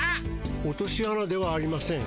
落としあなではありません。